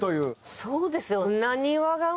そうですよ。